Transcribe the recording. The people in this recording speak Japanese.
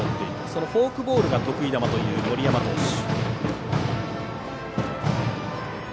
そのフォークボールが得意球という森山投手。